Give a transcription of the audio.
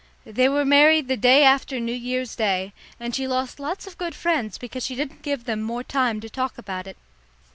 They were married the day after New Year's Day, and she lost lots of good friends because she didn't give them more time to talk about it.